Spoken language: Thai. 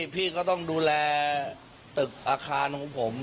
พี่ก็ต้องดูแลตึกอาคารของผม